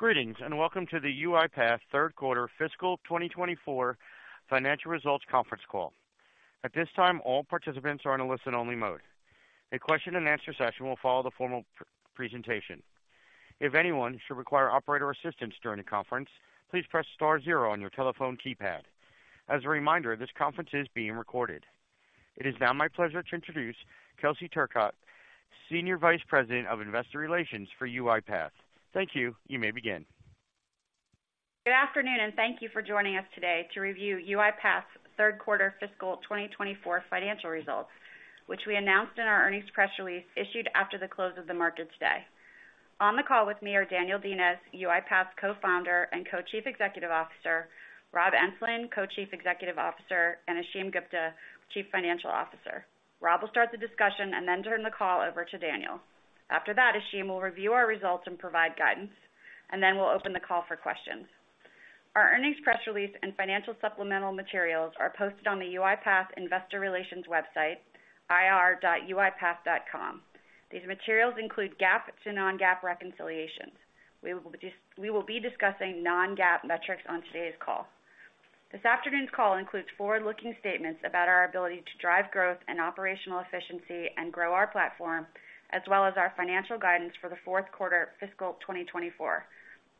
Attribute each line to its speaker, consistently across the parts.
Speaker 1: Greetings, and welcome to the UiPath third quarter fiscal 2024 financial results conference call. At this time, all participants are in a listen-only mode. A question-and-answer session will follow the formal presentation. If anyone should require operator assistance during the conference, please press star zero on your telephone keypad. As a reminder, this conference is being recorded. It is now my pleasure to introduce Kelsey Turcotte, Senior Vice President of Investor Relations for UiPath. Thank you. You may begin.
Speaker 2: Good afternoon, and thank you for joining us today to review UiPath's third quarter fiscal 2024 financial results, which we announced in our earnings press release, issued after the close of the market today. On the call with me are Daniel Dines, UiPath's Co-founder and Co-Chief Executive Officer, Rob Enslin, Co-Chief Executive Officer, and Ashim Gupta, Chief Financial Officer. Rob will start the discussion and then turn the call over to Daniel. After that, Ashim will review our results and provide guidance, and then we'll open the call for questions. Our earnings press release and financial supplemental materials are posted on the UiPath Investor Relations website, ir.uipath.com. These materials include GAAP to non-GAAP reconciliations. We will be discussing non-GAAP metrics on today's call. This afternoon's call includes forward-looking statements about our ability to drive growth and operational efficiency and grow our platform, as well as our financial guidance for the fourth quarter fiscal 2024.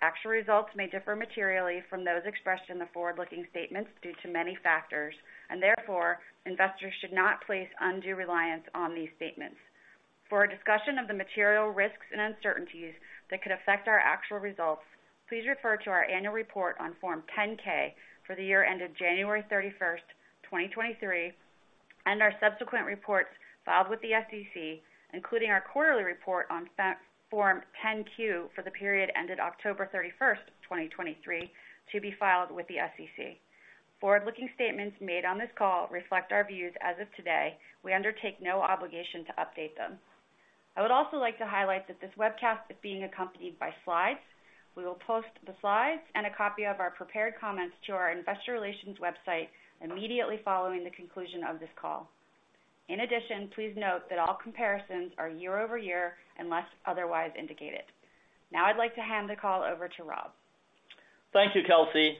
Speaker 2: Actual results may differ materially from those expressed in the forward-looking statements due to many factors, and therefore, investors should not place undue reliance on these statements. For a discussion of the material risks and uncertainties that could affect our actual results, please refer to our annual report on Form 10-K for the year ended January 31st, 2023, and our subsequent reports filed with the SEC, including our quarterly report on Form 10-Q for the period ended October 31st, 2023, to be filed with the SEC. Forward-looking statements made on this call reflect our views as of today. We undertake no obligation to update them. I would also like to highlight that this webcast is being accompanied by slides. We will post the slides and a copy of our prepared comments to our investor relations website immediately following the conclusion of this call. In addition, please note that all comparisons are year-over-year, unless otherwise indicated. Now, I'd like to hand the call over to Rob.
Speaker 3: Thank you, Kelsey.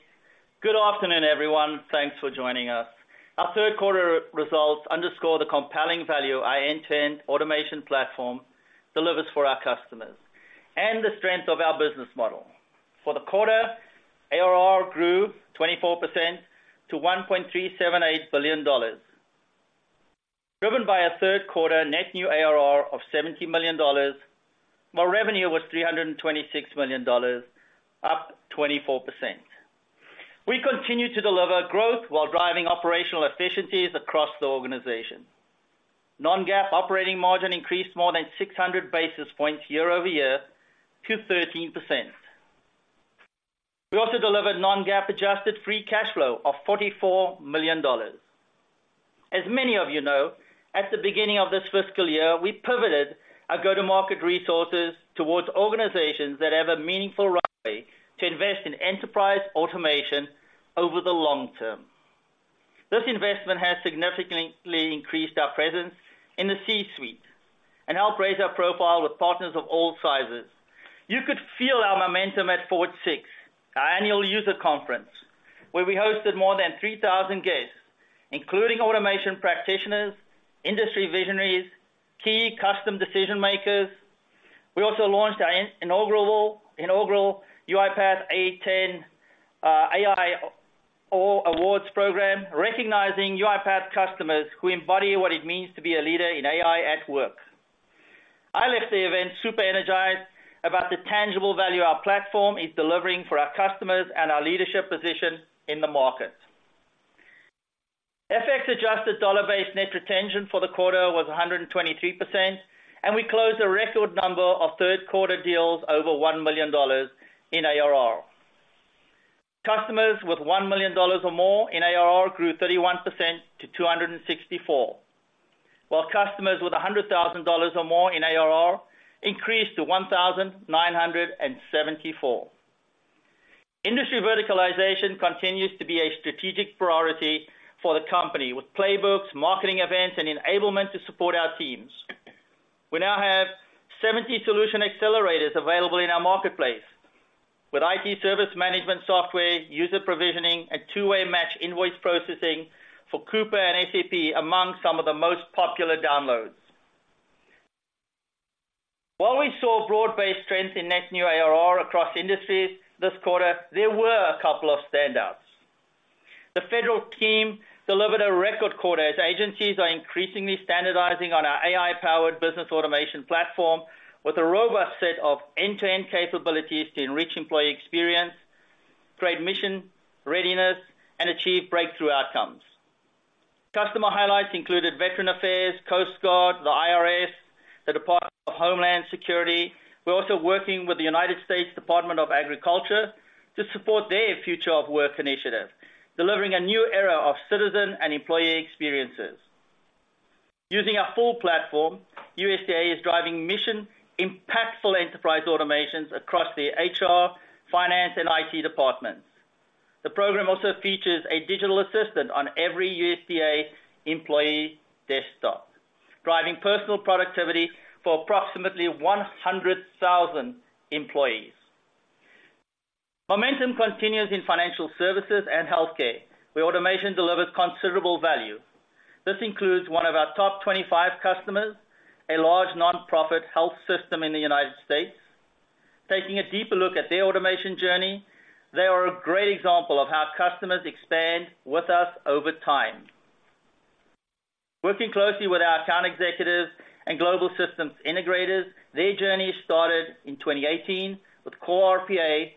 Speaker 3: Good afternoon, everyone. Thanks for joining us. Our third quarter results underscore the compelling value our end-to-end automation platform delivers for our customers and the strength of our business model. For the quarter, ARR grew 24% to $1.378 billion, driven by a third-quarter net new ARR of $70 million, while revenue was $326 million, up 24%. We continue to deliver growth while driving operational efficiencies across the organization. Non-GAAP operating margin increased more than 600 basis points year-over-year to 13%. We also delivered non-GAAP adjusted free cash flow of $44 million. As many of you know, at the beginning of this fiscal year, we pivoted our go-to-market resources towards organizations that have a meaningful runway to invest in enterprise automation over the long term. This investment has significantly increased our presence in the C-suite and helped raise our profile with partners of all sizes. You could feel our momentum at Forward VI, our annual user conference, where we hosted more than 3,000 guests, including automation practitioners, industry visionaries, key customer decision-makers. We also launched our inaugural UiPath Autopilot AI awards program, recognizing UiPath customers who embody what it means to be a leader in AI at work. I left the event super energized about the tangible value our platform is delivering for our customers and our leadership position in the market. FX-adjusted dollar-based net retention for the quarter was 123%, and we closed a record number of third-quarter deals over $1 million in ARR. Customers with $1 million or more in ARR grew 31% to 264, while customers with $100,000 or more in ARR increased to 1,974. Industry verticalization continues to be a strategic priority for the company with playbooks, marketing events, and enablement to support our teams. We now have 70 solution accelerators available in our marketplace, with IT service management software, user provisioning, and two-way match invoice processing for Coupa and SAP among some of the most popular downloads. While we saw broad-based trends in net new ARR across industries this quarter, there were a couple of standouts. The federal team delivered a record quarter, as agencies are increasingly standardizing on our AI-powered business automation platform with a robust set of end-to-end capabilities to enrich employee experience, create mission readiness, and achieve breakthrough outcomes. Customer highlights included Veterans Affairs, Coast Guard, the IRS, the Department of Homeland Security. We're also working with the United States Department of Agriculture to support their Future of Work initiative, delivering a new era of citizen and employee experiences. Using our full platform, USDA is driving mission impactful enterprise automations across the HR, finance, and IT departments.... The program also features a digital assistant on every USDA employee desktop, driving personal productivity for approximately 100,000 employees. Momentum continues in financial services and healthcare, where automation delivers considerable value. This includes one of our top 25 customers, a large nonprofit health system in the United States. Taking a deeper look at their automation journey, they are a great example of how customers expand with us over time. Working closely with our account executives and global systems integrators, their journey started in 2018 with core RPA,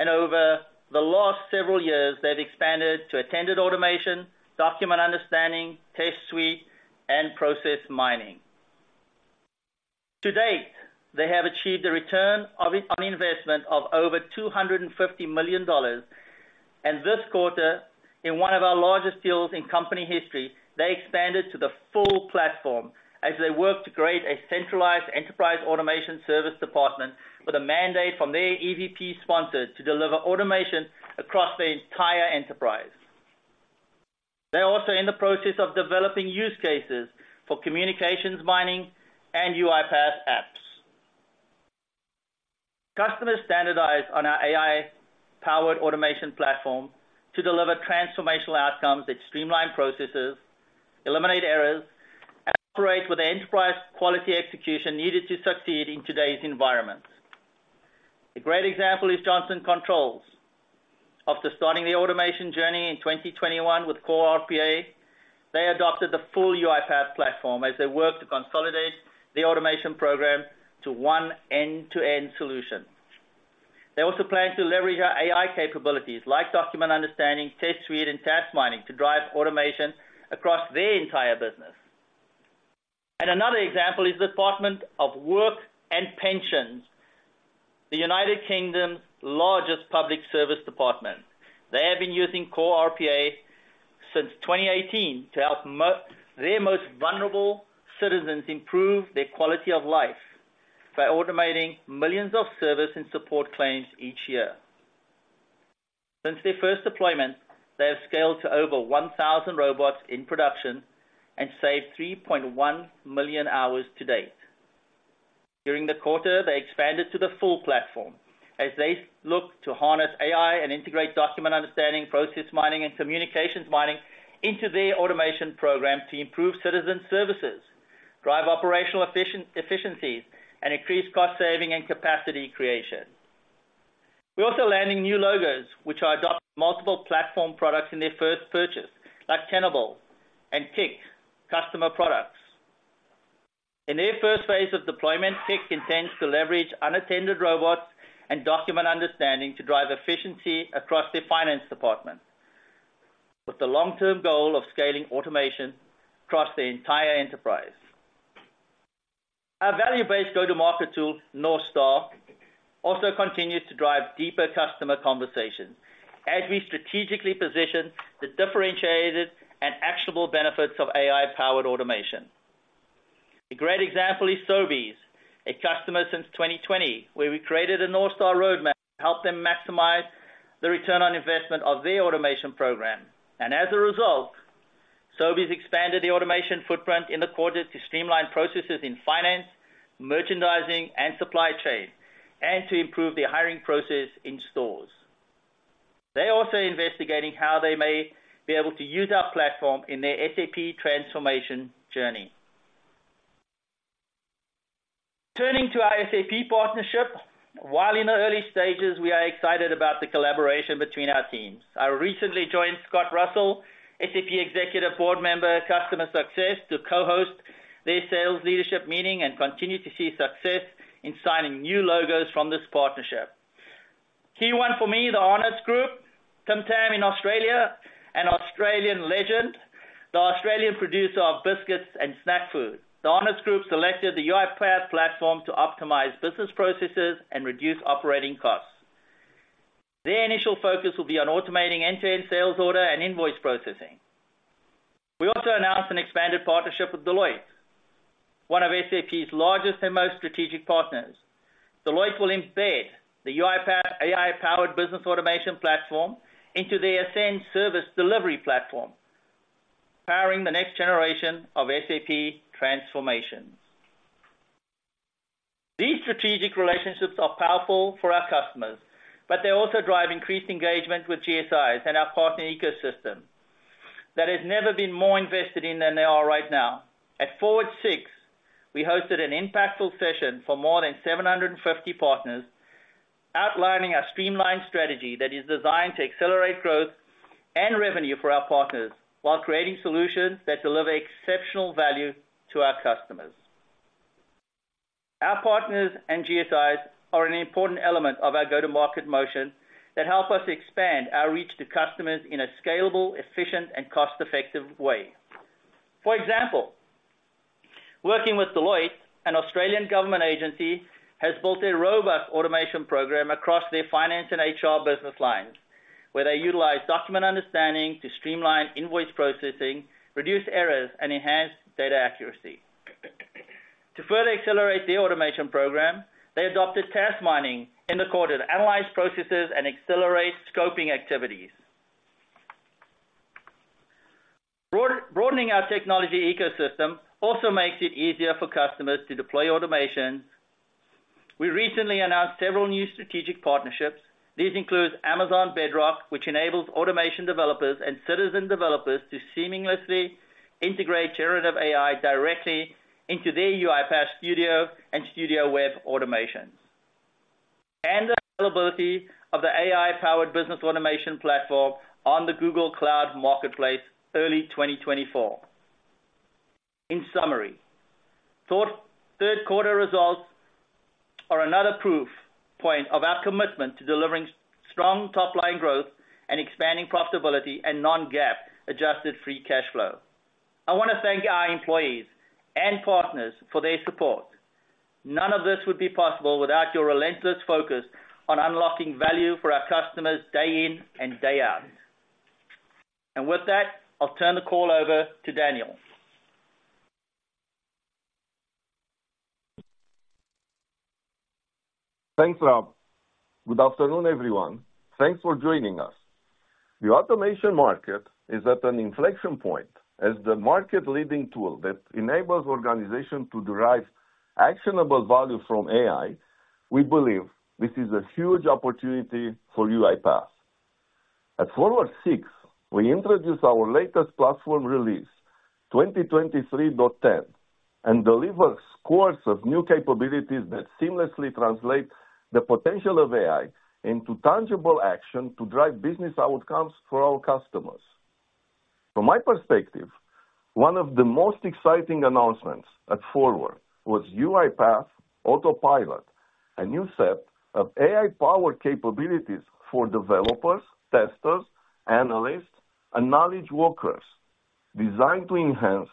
Speaker 3: and over the last several years, they've expanded to attended automation, Document Understanding, Test Suite, and Process Mining. To date, they have achieved a return on investment of over $250 million. This quarter, in one of our largest deals in company history, they expanded to the full platform as they work to create a centralized enterprise automation service department with a mandate from their EVP sponsors to deliver automation across the entire enterprise. They're also in the process of developing use cases for Communications Mining and UiPath Apps. Customers standardize on our AI-powered automation platform to deliver transformational outcomes that streamline processes, eliminate errors, and operate with the enterprise quality execution needed to succeed in today's environment. A great example is Johnson Controls. After starting the automation journey in 2021 with core RPA, they adopted the full UiPath platform as they work to consolidate the automation program to one end-to-end solution. They also plan to leverage our AI capabilities like Document Understanding, Test Suite, and Task Mining, to drive automation across their entire business. Another example is the Department for Work and Pensions, the United Kingdom's largest public service department. They have been using core RPA since 2018 to help their most vulnerable citizens improve their quality of life by automating millions of service and support claims each year. Since their first deployment, they have scaled to over 1,000 robots in production and saved 3.1 million hours to date. During the quarter, they expanded to the full platform as they look to harness AI and integrate Document Understanding, Process Mining, and Communications Mining into their automation program to improve citizen services, drive operational efficiency, and increase cost saving and capacity creation. We're also landing new logos, which are adopting multiple platform products in their first purchase, like Kenvue and KIK Consumer Products. In their first phase of deployment, KIK intends to leverage unattended robots and Document Understanding to drive efficiency across their finance department, with the long-term goal of scaling automation across the entire enterprise. Our value-based go-to-market North Star, also continues to drive deeper customer conversations as we strategically position the differentiated and actionable benefits of AI-powered automation. A great example is Sobeys, a customer since 2020, where we created North Star roadmap to help them maximize the return on investment of their automation program. As a result, Sobeys expanded the automation footprint in the quarter to streamline processes in finance, merchandising, and supply chain, and to improve the hiring process in stores. They're also investigating how they may be able to use our platform in their SAP transformation journey. Turning to our SAP partnership. While in the early stages, we are excited about the collaboration between our teams. I recently joined Scott Russell, SAP Executive Board Member, Customer Success, to co-host their sales leadership meeting and continue to see success in signing new logos from this partnership. Key one for me, The Arnott's Group, Tim Tam in Australia, an Australian legend, the Australian producer of biscuits and snack food. The Arnott's Group selected the UiPath platform to optimize business processes and reduce operating costs. Their initial focus will be on automating end-to-end sales order and invoice processing. We also announced an expanded partnership with Deloitte, one of SAP's largest and most strategic partners. Deloitte will embed the UiPath AI-powered business automation platform into their Ascend service delivery platform, powering the next generation of SAP transformations. These strategic relationships are powerful for our customers, but they also drive increased engagement with GSIs and our partner ecosystem that has never been more invested in than they are right now. At Forward VI, we hosted an impactful session for more than 750 partners, outlining our streamlined strategy that is designed to accelerate growth and revenue for our partners, while creating solutions that deliver exceptional value to our customers. Our partners and GSIs are an important element of our go-to-market motion that help us expand our reach to customers in a scalable, efficient, and cost-effective way. For example, working with Deloitte, an Australian government agency has built a robust automation program across their finance and HR business lines, where they utilize Document Understanding to streamline invoice processing, reduce errors, and enhance data accuracy. To further accelerate the automation program, they adopted Task Mining in the quarter to analyze processes and accelerate scoping activities. Broadening our technology ecosystem also makes it easier for customers to deploy automation. We recently announced several new strategic partnerships. These include Amazon Bedrock, which enables automation developers and citizen developers to seamlessly integrate generative AI directly into their UiPath Studio and Studio Web automation. And the availability of the AI-powered business automation platform on the Google Cloud Marketplace early 2024. In summary, third quarter results are another proof point of our commitment to delivering strong top-line growth and expanding profitability and non-GAAP adjusted free cash flow. I want to thank our employees and partners for their support. None of this would be possible without your relentless focus on unlocking value for our customers day in and day out. With that, I'll turn the call over to Daniel.
Speaker 4: Thanks, Rob. Good afternoon, everyone. Thanks for joining us. The automation market is at an inflection point. As the market-leading tool that enables organizations to derive actionable value from AI, we believe this is a huge opportunity for UiPath. At Forward VI, we introduced our latest platform release, 2023.10, and delivered scores of new capabilities that seamlessly translate the potential of AI into tangible action to drive business outcomes for our customers. From my perspective, one of the most exciting announcements at Forward was UiPath Autopilot, a new set of AI-powered capabilities for developers, testers, analysts, and knowledge workers, designed to enhance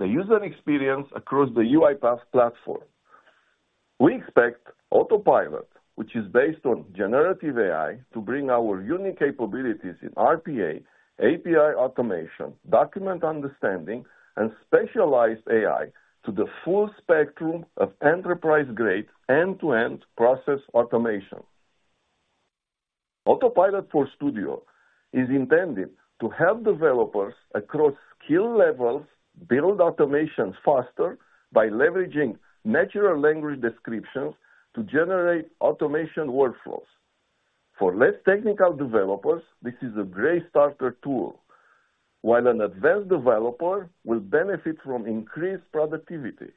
Speaker 4: the user experience across the UiPath platform. We expect Autopilot, which is based on generative AI, to bring our unique capabilities in RPA, API automation, Document Understanding, and specialized AI to the full spectrum of enterprise-grade, end-to-end process automation. Autopilot for Studio is intended to help developers across skill levels build automations faster by leveraging natural language descriptions to generate automation workflows. For less technical developers, this is a great starter tool, while an advanced developer will benefit from increased productivity.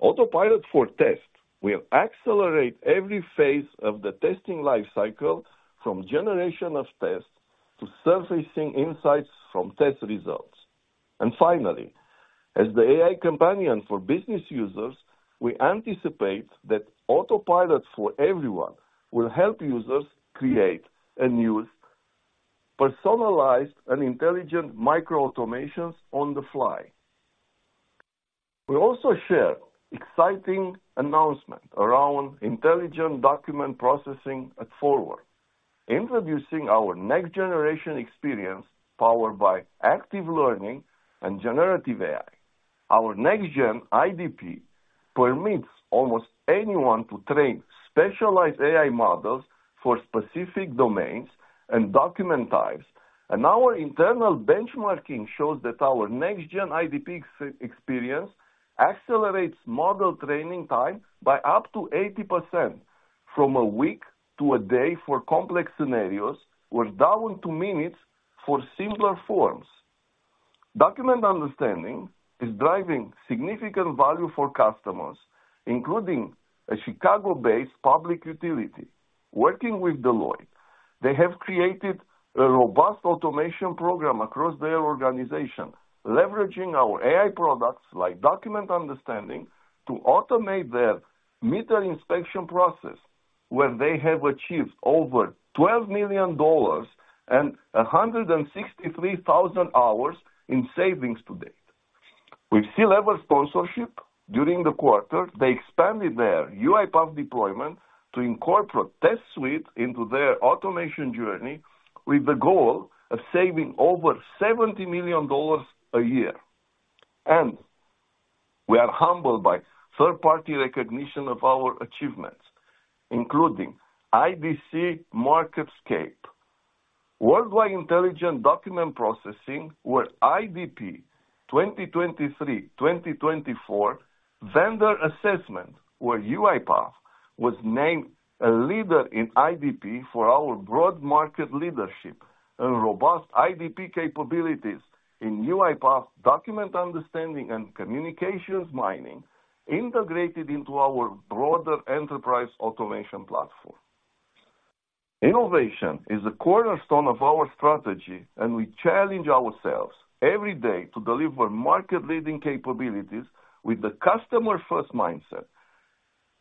Speaker 4: Autopilot for Test will accelerate every phase of the testing life cycle, from generation of tests to surfacing insights from test results. And finally, as the AI companion for business users, we anticipate that Autopilot for Everyone will help users create and use personalized and intelligent micro-automations on the fly. We also share exciting announcement around Intelligent Document Processing at Forward, introducing our next generation experience powered by active learning and generative AI. Our next gen IDP permits almost anyone to train specialized AI models for specific domains and document types. Our internal benchmarking shows that our next-gen IDP experience accelerates model training time by up to 80%, from a week to a day for complex scenarios, or down to minutes for simpler forms. Document Understanding is driving significant value for customers, including a Chicago-based public utility. Working with Deloitte, they have created a robust automation program across their organization, leveraging our AI products, like Document Understanding, to automate their meter inspection process, where they have achieved over $12 million and 163,000 hours in savings to date. With C-level sponsorship during the quarter, they expanded their UiPath deployment to incorporate Test Suite into their automation journey with the goal of saving over $70 million a year. And we are humbled by third-party recognition of our achievements, including IDC MarketScape: Worldwide Intelligent Document Processing, where IDP 2023/2024 vendor assessment, where UiPath was named a leader in IDP for our broad market leadership and robust IDP capabilities in UiPath Document Understanding and Communications Mining integrated into our broader enterprise automation platform. Innovation is a cornerstone of our strategy, and we challenge ourselves every day to deliver market-leading capabilities with the customer-first mindset.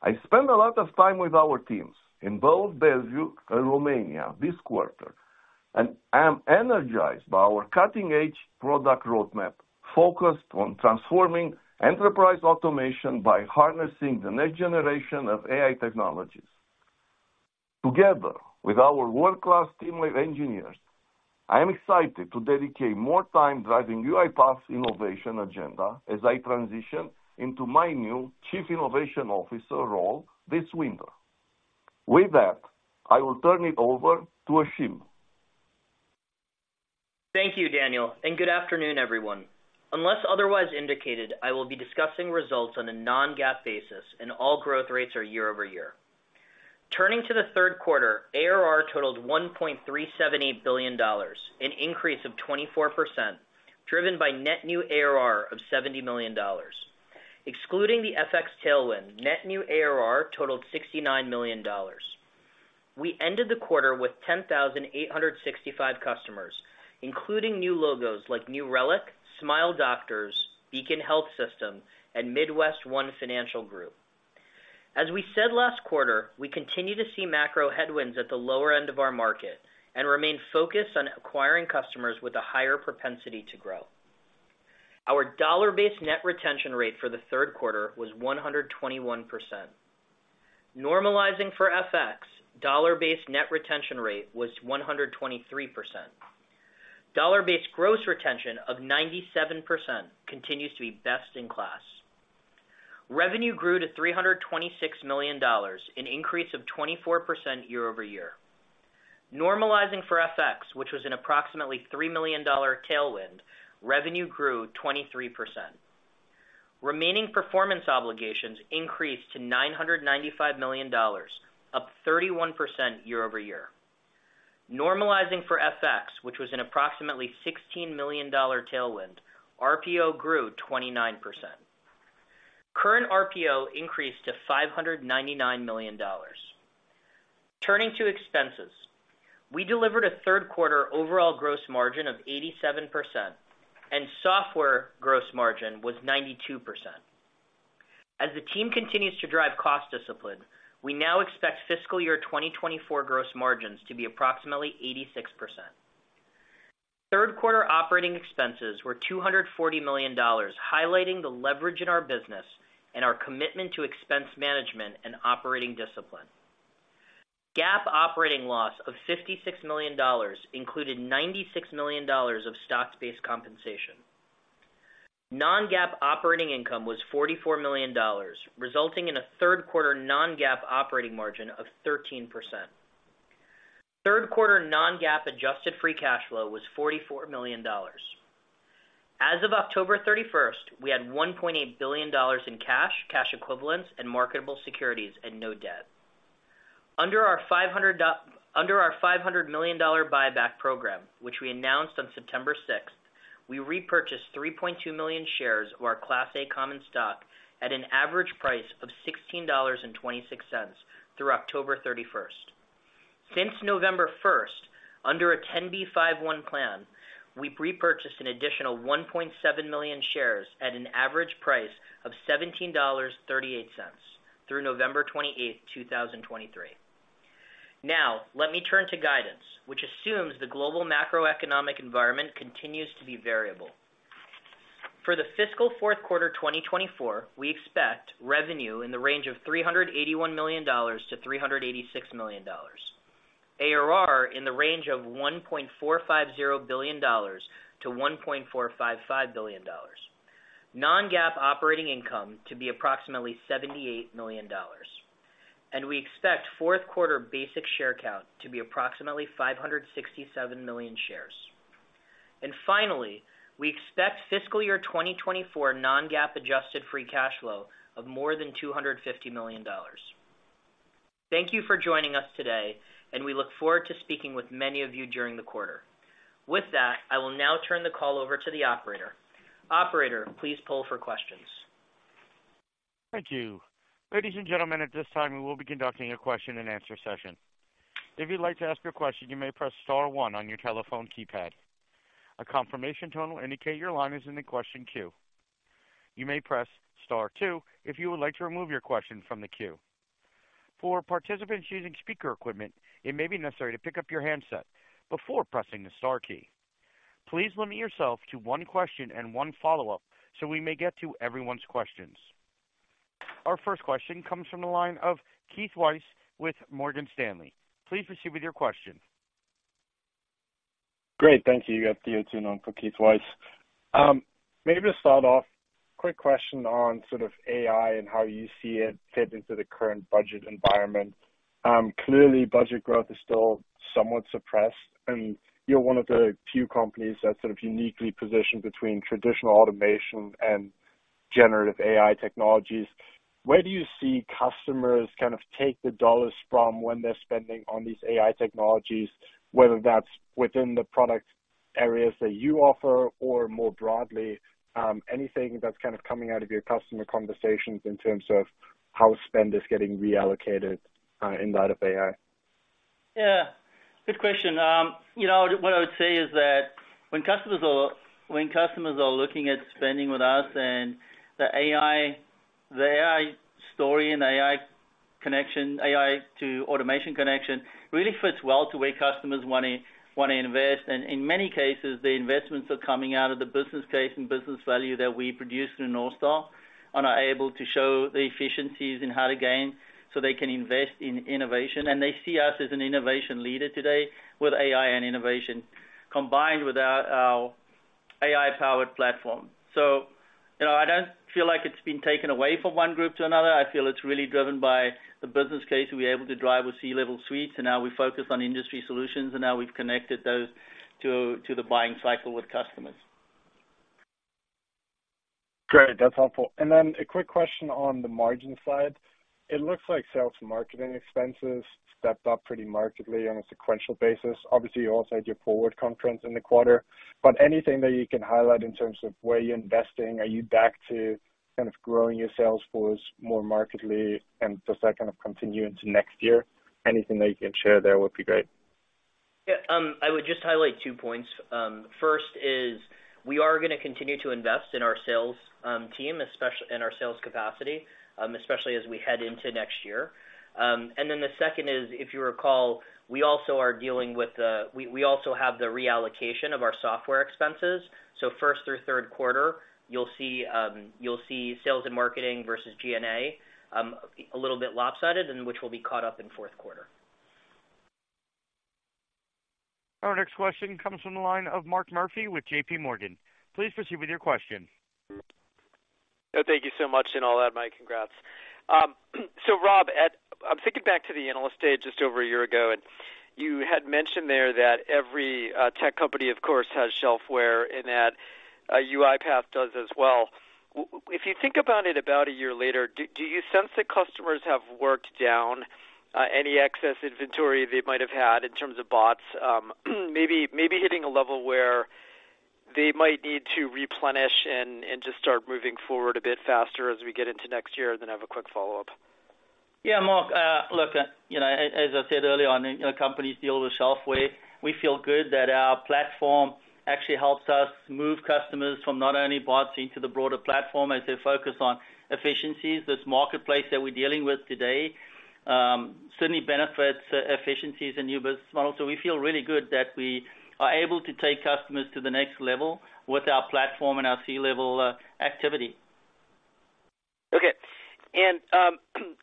Speaker 4: I spent a lot of time with our teams in both Bellevue and Romania this quarter, and I am energized by our cutting-edge product roadmap, focused on transforming enterprise automation by harnessing the next generation of AI technologies.... Together, with our world-class team of engineers, I am excited to dedicate more time driving UiPath's innovation agenda as I transition into my new Chief Innovation Officer role this winter. With that, I will turn it over to Ashim.
Speaker 5: Thank you, Daniel, and good afternoon, everyone. Unless otherwise indicated, I will be discussing results on a non-GAAP basis, and all growth rates are year-over-year. Turning to the third quarter, ARR totaled $1.378 billion, an increase of 24%, driven by net new ARR of $70 million. Excluding the FX tailwind, net new ARR totaled $69 million. We ended the quarter with 10,865 customers, including new logos like New Relic, Smile Doctors, Beacon Health System, and MidWestOne Financial Group. As we said last quarter, we continue to see macro headwinds at the lower end of our market and remain focused on acquiring customers with a higher propensity to grow. Our dollar-based net retention rate for the third quarter was 121%. Normalizing for FX, dollar-based net retention rate was 123%. Dollar-based gross retention of 97% continues to be best in class. Revenue grew to $326 million, an increase of 24% year-over-year. Normalizing for FX, which was an approximately $3 million tailwind, revenue grew 23%. Remaining performance obligations increased to $995 million, up 31% year-over-year. Normalizing for FX, which was an approximately $16 million tailwind, RPO grew 29%. Current RPO increased to $599 million. Turning to expenses. We delivered a third quarter overall gross margin of 87%, and software gross margin was 92%. As the team continues to drive cost discipline, we now expect fiscal year 2024 gross margins to be approximately 86%. Third quarter operating expenses were $240 million, highlighting the leverage in our business and our commitment to expense management and operating discipline. GAAP operating loss of $56 million included $96 million of stock-based compensation. Non-GAAP operating income was $44 million, resulting in a third quarter non-GAAP operating margin of 13%. Third quarter non-GAAP adjusted free cash flow was $44 million. As of October 31st, we had $1.8 billion in cash, cash equivalents, and marketable securities, and no debt. Under our $500 million buyback program, which we announced on September 6th, we repurchased 3.2 million shares of our Class A common stock at an average price of $16.26 through October 31st. Since November 1st, under a 10b5-1 plan, we've repurchased an additional 1.7 million shares at an average price of $17.38 through November 28th, 2023. Now, let me turn to guidance, which assumes the global macroeconomic environment continues to be variable. For the fiscal fourth quarter, 2024, we expect revenue in the range of $381 million-$386 million. ARR in the range of $1.450 billion-$1.455 billion. Non-GAAP operating income to be approximately $78 million. We expect fourth quarter basic share count to be approximately 567 million shares. Finally, we expect fiscal year 2024 non-GAAP adjusted free cash flow of more than $250 million. Thank you for joining us today, and we look forward to speaking with many of you during the quarter. With that, I will now turn the call over to the operator. Operator, please poll for questions.
Speaker 1: Thank you. Ladies and gentlemen, at this time, we will be conducting a question and answer session. If you'd like to ask a question, you may press star one on your telephone keypad. A confirmation tone will indicate your line is in the question queue. You may press star two if you would like to remove your question from the queue. For participants using speaker equipment, it may be necessary to pick up your handset before pressing the star key. Please limit yourself to one question and one follow-up, so we may get to everyone's questions. Our first question comes from the line of Keith Weiss with Morgan Stanley. Please proceed with your question.
Speaker 6: Great. Thank you. You got the open line for Keith Weiss. Maybe to start off, quick question on sort of AI and how you see it fit into the current budget environment. Clearly, budget growth is still somewhat suppressed, and you're one of the few companies that's sort of uniquely positioned between traditional automation and generative AI technologies. Where do you see customers kind of take the dollars from when they're spending on these AI technologies, whether that's within the product areas that you offer or more broadly, anything that's kind of coming out of your customer conversations in terms of how spend is getting reallocated, in light of AI?
Speaker 3: Yeah, good question. You know, what I would say is that when customers are looking at spending with us and the AI, the AI story and AI connection, AI to automation connection.... really fits well to where customers want to invest. And in many cases, the investments are coming out of the business case and business value that we North Star and are able to show the efficiencies and how to gain so they can invest in innovation. And they see us as an innovation leader today with AI and innovation, combined with our AI-powered platform. So, you know, I don't feel like it's been taken away from one group to another. I feel it's really driven by the business case we're able to drive with C-level suites, and now we focus on industry solutions, and now we've connected those to the buying cycle with customers.
Speaker 6: Great, that's helpful. Then a quick question on the margin side. It looks like sales and marketing expenses stepped up pretty markedly on a sequential basis. Obviously, you also had your Forward conference in the quarter. But anything that you can highlight in terms of where you're investing? Are you back to kind of growing your sales force more markedly, and does that kind of continue into next year? Anything that you can share there would be great.
Speaker 5: Yeah, I would just highlight two points. First, we are going to continue to invest in our sales team and our sales capacity, especially as we head into next year. And then the second is, if you recall, we also have the reallocation of our software expenses. So first through third quarter, you'll see sales and marketing versus G&A a little bit lopsided, and which will be caught up in fourth quarter.
Speaker 1: Our next question comes from the line of Mark Murphy with J.P. Morgan. Please proceed with your question.
Speaker 7: Oh, thank you so much, and I'll add, my, congrats. So Rob, I'm thinking back to the analyst day just over a year ago, and you had mentioned there that every tech company, of course, has shelfware and that UiPath does as well. If you think about it about a year later, do you sense that customers have worked down any excess inventory they might have had in terms of bots? Maybe hitting a level where they might need to replenish and just start moving forward a bit faster as we get into next year? Then I have a quick follow-up.
Speaker 3: Yeah, Mark, look, you know, as I said earlier on, you know, companies deal with shelfware. We feel good that our platform actually helps us move customers from not only bots into the broader platform as they focus on efficiencies. This marketplace that we're dealing with today certainly benefits efficiencies and new business models. So we feel really good that we are able to take customers to the next level with our platform and our C-level activity.
Speaker 7: Okay. And,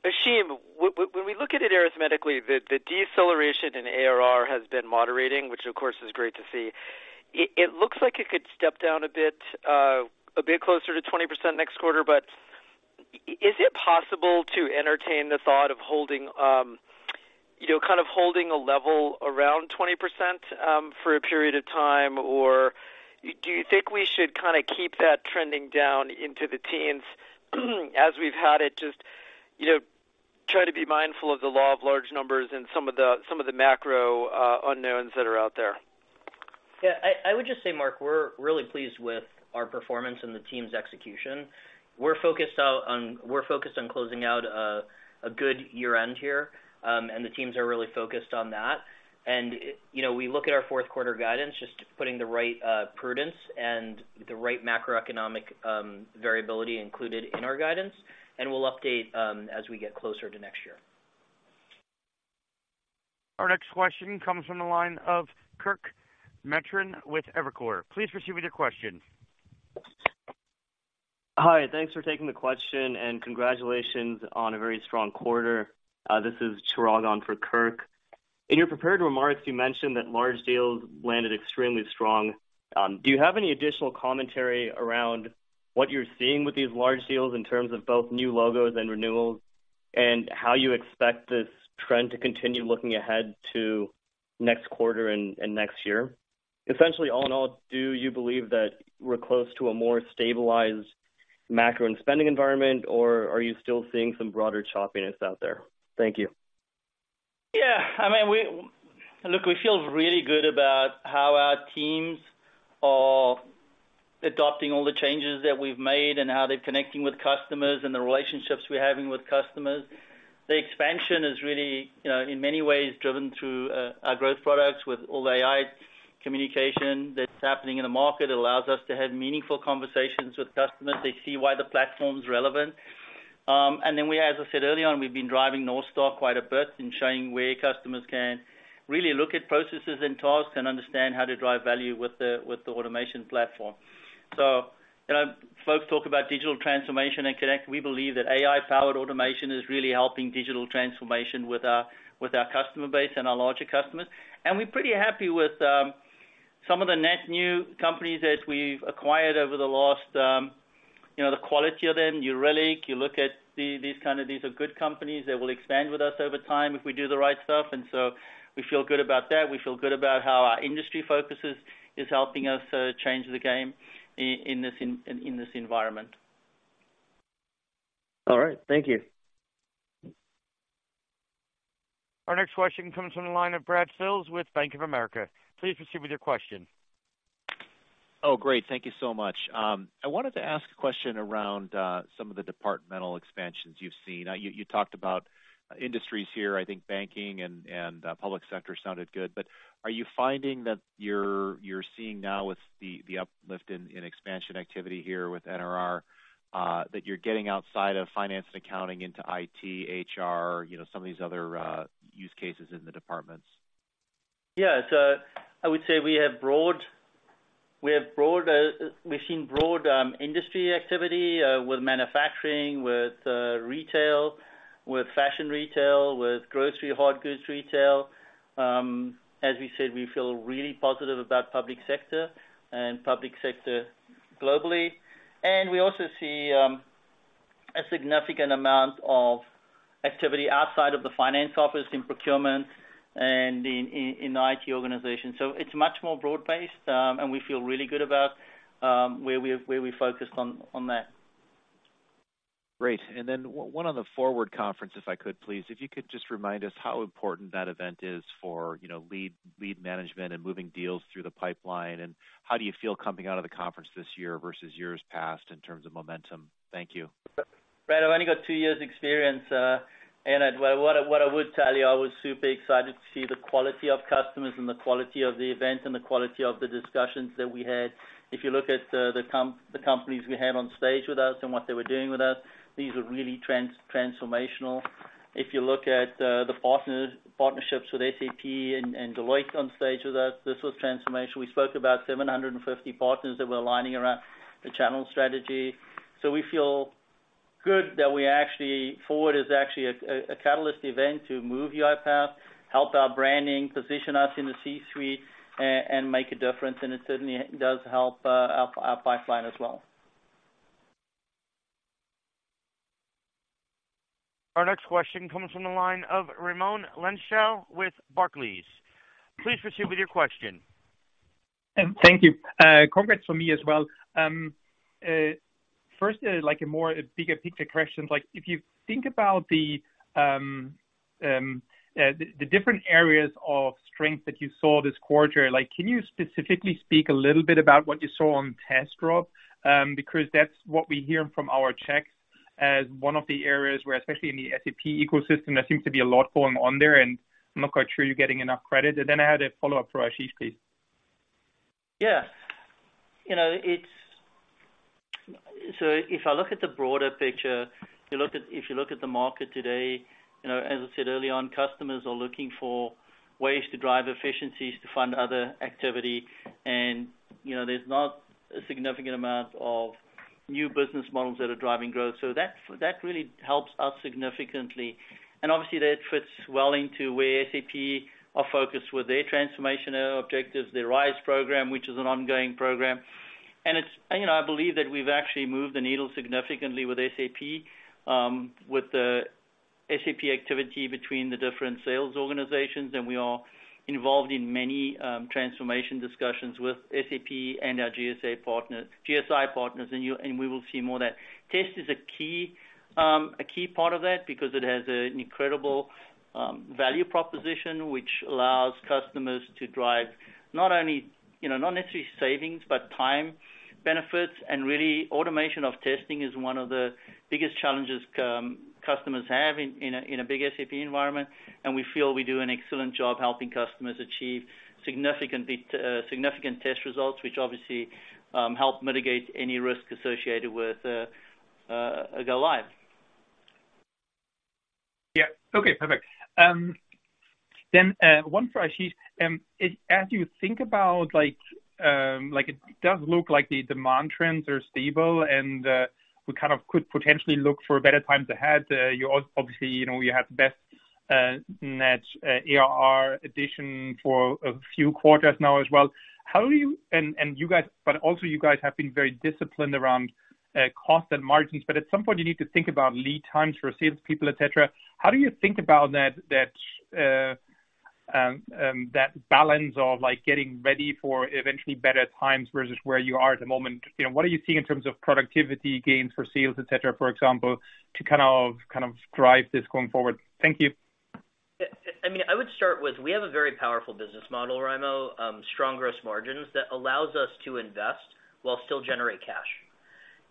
Speaker 7: Ashim, when we look at it arithmetically, the deceleration in ARR has been moderating, which of course, is great to see. It looks like it could step down a bit, a bit closer to 20% next quarter, but is it possible to entertain the thought of holding, you know, kind of holding a level around 20%, for a period of time? Or do you think we should kind of keep that trending down into the teens as we've had it, just, you know, try to be mindful of the law of large numbers and some of the macro, unknowns that are out there?
Speaker 5: Yeah, I would just say, Mark, we're really pleased with our performance and the team's execution. We're focused on closing out a good year-end here, and the teams are really focused on that. And, you know, we look at our fourth quarter guidance, just putting the right prudence and the right macroeconomic variability included in our guidance, and we'll update as we get closer to next year.
Speaker 1: Our next question comes from the line of Kirk Materne with Evercore. Please proceed with your question.
Speaker 8: Hi, thanks for taking the question, and congratulations on a very strong quarter. This is Chirag Ved on for Kirk Materne. In your prepared remarks, you mentioned that large deals landed extremely strong. Do you have any additional commentary around what you're seeing with these large deals in terms of both new logos and renewals, and how you expect this trend to continue looking ahead to next quarter and next year? Essentially, all in all, do you believe that we're close to a more stabilized macro and spending environment, or are you still seeing some broader choppiness out there? Thank you.
Speaker 3: Yeah, I mean, look, we feel really good about how our teams are adopting all the changes that we've made and how they're connecting with customers and the relationships we're having with customers. The expansion is really, you know, in many ways driven through our growth products with all the AI communication that's happening in the market. It allows us to have meaningful conversations with customers. They see why the platform's relevant. And then we, as I said early on, we've North Star quite a bit in showing where customers can really look at processes and tasks and understand how to drive value with the, with the automation platform. So, you know, folks talk about digital transformation and connect. We believe that AI-powered automation is really helping digital transformation with our, with our customer base and our larger customers. We're pretty happy with some of the net new companies that we've acquired over the last, you know, the quality of them. You really look at these kind of, these are good companies that will expand with us over time if we do the right stuff, and so we feel good about that. We feel good about how our industry focuses is helping us change the game in this environment.
Speaker 8: All right. Thank you.
Speaker 1: Our next question comes from the line of Brad Sills with Bank of America. Please proceed with your question.
Speaker 9: Oh, great. Thank you so much. I wanted to ask a question around some of the departmental expansions you've seen. You talked about industries here. I think banking and public sector sounded good. But are you finding that you're seeing now with the uplift in expansion activity here with NRR that you're getting outside of finance and accounting into IT, HR, you know, some of these other use cases in the departments?...
Speaker 3: Yeah, so I would say we have broad, we've seen broad industry activity with manufacturing, with retail, with fashion retail, with grocery, hard goods retail. As we said, we feel really positive about public sector and public sector globally. And we also see a significant amount of activity outside of the finance office in procurement and in the IT organization. So it's much more broad-based, and we feel really good about where we focused on that.
Speaker 9: Great. And then one on the Forward conference, if I could, please. If you could just remind us how important that event is for, you know, lead management and moving deals through the pipeline, and how do you feel coming out of the conference this year versus years past in terms of momentum? Thank you.
Speaker 3: Right. I've only got two years experience, and what I would tell you, I was super excited to see the quality of customers and the quality of the event and the quality of the discussions that we had. If you look at the companies we had on stage with us and what they were doing with us, these were really transformational. If you look at the partnerships with SAP and Deloitte on stage with us, this was transformational. We spoke about 750 partners that were aligning around the channel strategy. So we feel good that Forward is actually a catalyst event to move UiPath, help our branding, position us in the C-suite, and make a difference, and it certainly does help our pipeline as well.
Speaker 1: Our next question comes from the line of Raimo Lenschow with Barclays. Please proceed with your question.
Speaker 10: Thank you. Congrats from me as well. First, like a more bigger picture question, like, if you think about the different areas of strength that you saw this quarter, like, can you specifically speak a little bit about what you saw on Test Suite? Because that's what we hear from our checks as one of the areas where, especially in the SAP ecosystem, there seems to be a lot going on there, and I'm not quite sure you're getting enough credit. And then I had a follow-up for Ashim, please.
Speaker 3: Yeah. You know, it's. So if I look at the broader picture, you look at. If you look at the market today, you know, as I said early on, customers are looking for ways to drive efficiencies, to find other activity. And, you know, there's not a significant amount of new business models that are driving growth. So that, that really helps us significantly. And obviously, that fits well into where SAP are focused with their transformational objectives, their RISE program, which is an ongoing program. And it's. You know, I believe that we've actually moved the needle significantly with SAP, with the SAP activity between the different sales organizations, and we are involved in many, transformation discussions with SAP and our GSI partners, and we will see more of that. Test is a key, a key part of that because it has an incredible, value proposition, which allows customers to drive not only, you know, not necessarily savings, but time benefits. And really, automation of testing is one of the biggest challenges customers have in a big SAP environment. And we feel we do an excellent job helping customers achieve significant test results, which obviously, help mitigate any risk associated with a go live.
Speaker 10: Yeah. Okay, perfect. Then, one for Ashim. As, as you think about, like, like, it does look like the demand trends are stable, and, we kind of could potentially look for better times ahead. You obviously, you know, you have the best, net ARR addition for a few quarters now as well. How do you... And, and you guys, but also you guys have been very disciplined around, cost and margins, but at some point, you need to think about lead times for salespeople, et cetera. How do you think about that, that, that balance of, like, getting ready for eventually better times versus where you are at the moment? You know, what are you seeing in terms of productivity gains for sales, et cetera, for example, to kind of, kind of drive this going forward? Thank you.
Speaker 5: I mean, I would start with, we have a very powerful business model, Raimo, strong gross margins that allows us to invest while still generate cash